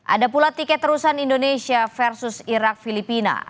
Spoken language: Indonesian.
ada pula tiket terusan indonesia versus irak filipina